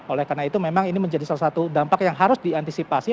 oleh karena itu memang ini menjadi salah satu dampak yang harus diantisipasi